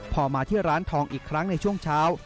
พอมาที่ร้านทองอีกครั้งในช่วงเช้า